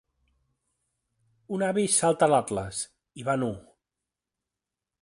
Un avi salta l'atlas, i va nu.